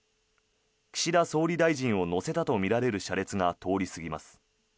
岸田総理大臣を乗せたとみられる車列が通り過ぎます。